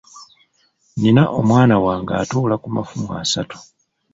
Nina omwana wange atuula ku mafumu asatu.